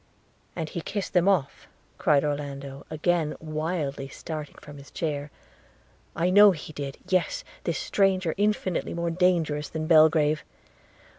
'And he kissed them off,' cried Orlando, again wildly starting from his chair, 'I know he did – yes! this stranger, infinitely more dangerous than Belgrave